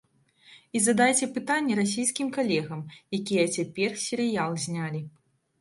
І задайце пытанне расійскім калегам, якія цяпер серыял знялі.